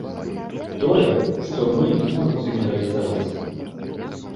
Тое, што мы не можам сёння рэалізаваць.